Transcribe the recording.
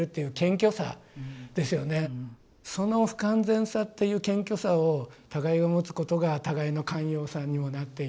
その不完全さっていう謙虚さを互いが持つことが互いの寛容さにもなっていく。